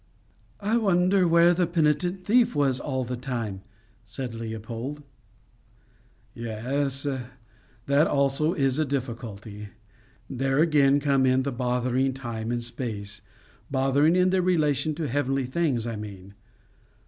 "I wonder where the penitent thief was all the time," said Leopold. "Yes, that also is a difficulty. There again come in the bothering time and space, bothering in their relation to heavenly things, I mean.